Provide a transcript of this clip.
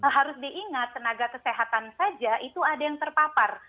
harus diingat tenaga kesehatan saja itu ada yang terpapar